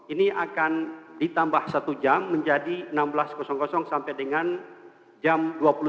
ini akan ditambah satu jam menjadi enam belas sampai dengan jam dua puluh satu